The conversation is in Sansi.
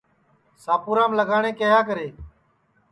شاپُورام لگاٹؔے کیہا کرے